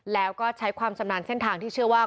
แล้วก็ใช้ความชำนาญเส้นทางที่เชื่อว่า